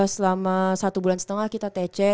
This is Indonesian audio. selama satu bulan setengah kita tc